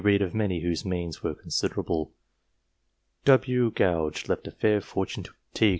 254 DIVINES of many whose means were considerable. W. Gouge left a fair fortune to his son T.